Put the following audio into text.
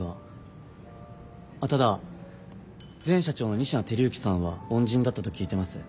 ただ前社長の仁科輝幸さんは恩人だったと聞いてます。